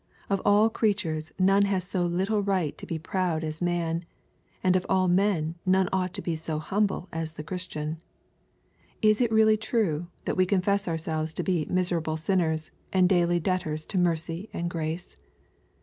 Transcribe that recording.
Of all creatures none has so little right to be proud as man, and of all men none ought to be so humble as the Christian. Is it really true that we confess ourselves to be "miserable 328 EXPOSITORY THOUGHTS. sinners/' and daily debtors to mercy and grace